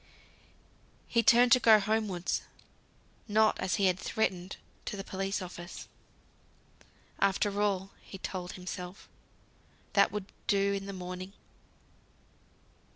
So he turned to go homewards; not, as he had threatened, to the police office. After all (he told himself), that would do in the morning.